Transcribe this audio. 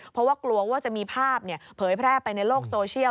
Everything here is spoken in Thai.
เพราะว่ากลัวว่าจะมีภาพเผยแพร่ไปในโลกโซเชียล